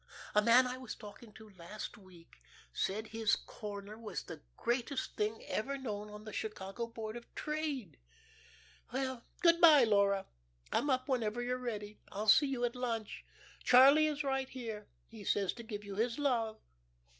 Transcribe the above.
A man I was talking to last week said his corner was the greatest thing ever known on the Chicago Board of Trade. Well, good by, Laura, come up whenever you're ready. I'll see you at lunch. Charlie is right here. He says to give you his love."